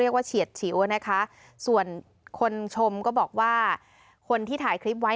เฉียดฉิวนะคะส่วนคนชมก็บอกว่าคนที่ถ่ายคลิปไว้